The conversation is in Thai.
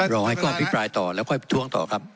รอให้ก้อพิพลายต่อแล้วค่อยทวงต่อครับ